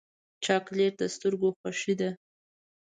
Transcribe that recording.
چاکلېټ د سترګو خوښي ده.